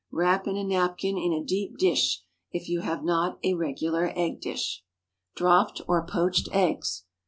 Wrap in a napkin in a deep dish, if you have not a regular egg dish. DROPPED OR POACHED EGGS.